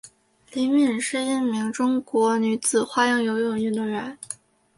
李敏是一名中国女子花样游泳运动员。